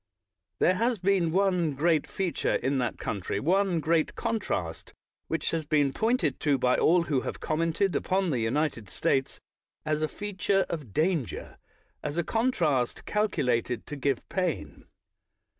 There has been one great feature in that country', one great contrast, which has been pointed to by all who have commented upon the United States as a feature of danger, as a contrast cal culated to give pain.